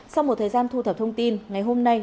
sau một thời gian thu thập thông tin ngày hôm nay